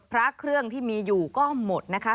พระเครื่องที่มีอยู่ก็หมดนะคะ